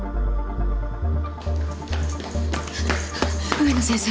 ・植野先生